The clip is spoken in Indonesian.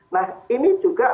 nah ini juga